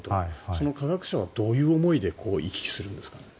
その科学者はどういう思いで行き来するんですかね。